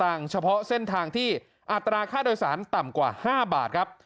เฉพาะเส้นทางที่อัตราค่าโดยสารต่ำกว่า๕บาทครับ